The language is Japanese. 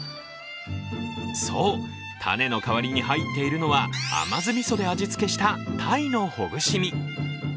そう、種の代わりに入っているのは甘酢みそで味付けした鯛のほぐし身。